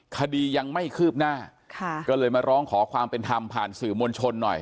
คดียังไม่คืบหน้าค่ะก็เลยมาร้องขอความเป็นธรรมผ่านสื่อมวลชนหน่อย